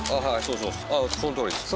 そうそのとおりです。